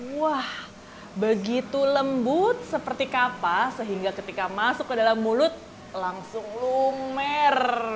wah begitu lembut seperti kapas sehingga ketika masuk ke dalam mulut langsung lumer